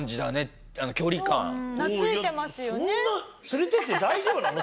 連れていって大丈夫なの？